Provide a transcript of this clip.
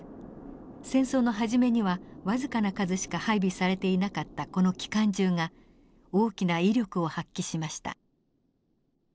戦争の初めには僅かな数しか配備されていなかったこの機関銃が大きな威力を発揮しました。